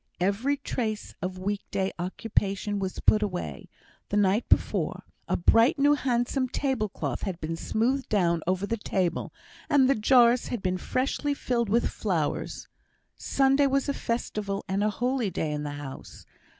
Every trace of week day occupation was put away; the night before, a bright new handsome tablecloth had been smoothed down over the table, and the jars had been freshly filled with flowers. Sunday was a festival and a holy day in the house.